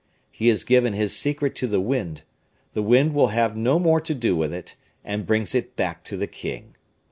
he has given his secret to the wind; the wind will have no more to do with it, and brings it back to the king.